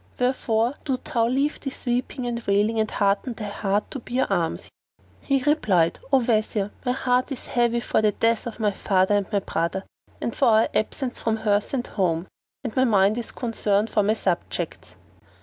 Wherefore do thou leave this weeping and wailing and hearten thy heart to bear arms." He replied, "O Wazir, my heart is heavy for the death of my father and my brother and for our absence from hearth and home; and my mind is concerned for my subjects."